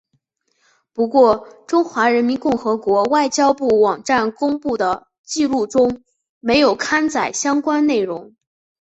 不过中华人民共和国外交部网站公布的记录中没有刊载相关内容。